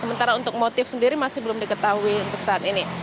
sementara untuk motif sendiri masih belum diketahui untuk saat ini